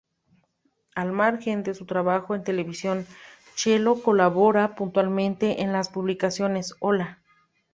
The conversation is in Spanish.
Al margen de su trabajo en televisión, Chelo colabora puntualmente en las publicaciones "¡Hola!